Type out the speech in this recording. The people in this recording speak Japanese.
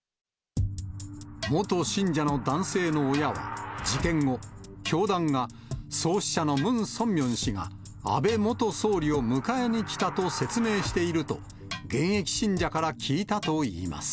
元信者の男性の親は、事件後、教団が、創始者のムン・ソンミョン氏が、安倍元総理を迎えに来たと説明していると、現役信者から聞いたといいます。